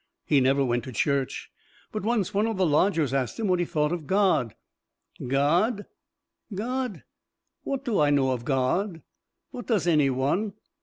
He never went to church; but once one of the lodgers asked him what he thought of God. "God, God what do I know of God, what does any one!